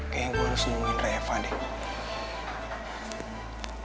kayaknya gue harus nyungin reva deh